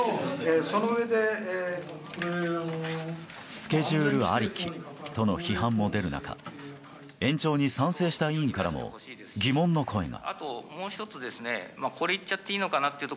スケジュールありきとの批判も出る中延長に賛成した委員からも疑問の声が。